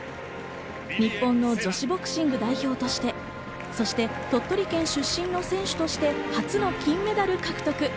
日本の女子ボクシング代表として、そして鳥取県出身の選手として初の金メダル獲得。